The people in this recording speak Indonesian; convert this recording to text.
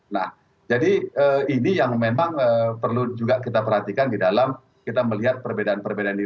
nah jadi ini yang memang perlu juga kita perhatikan di dalam kita melihat perbedaan perbedaan ini